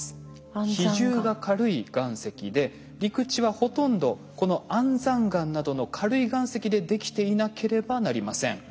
比重が軽い岩石で陸地はほとんどこの安山岩などの軽い岩石でできていなければなりません。